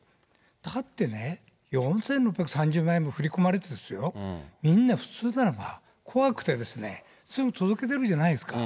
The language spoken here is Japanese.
だってね、４６３０万円も振り込まれてですよ、みんな普通ならば、怖くてですね、すぐ届け出るじゃないですか。